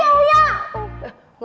apaan sih ya uya